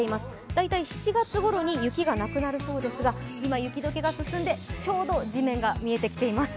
大体７月ごろに雪がなくなるそうですが今、雪解けが進んでちょうど地面が見えてきています。